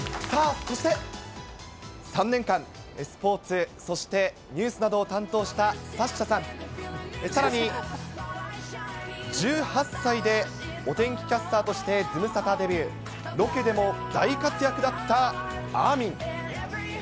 さあそして、３年間、スポーツ、そしてニュースなどを担当したサッシャさん、さらに１８歳でお天気キャスターとしてズムサタデビュー、ロケでも大活躍だったあーみん。